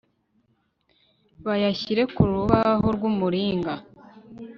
bayashyire ku rubaho rw'umuringa